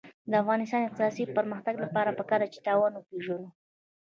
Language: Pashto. د افغانستان د اقتصادي پرمختګ لپاره پکار ده چې تاوان وپېژنو.